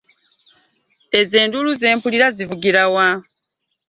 Ezo enduulu ze mpulira zivugira wa?